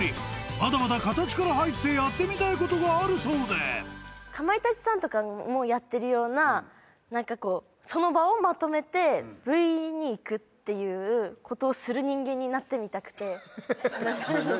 まだまだ形から入ってやってみたいことがあるそうでかまいたちさんとかもやってるようななんかこうことをする人間になってみたくて何何？